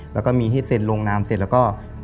แล้วก็มีให้เซ็นลงนามเสร็จแล้วก็